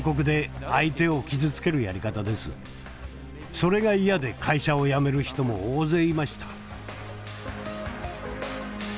それが嫌で会社を辞める人も大勢いました。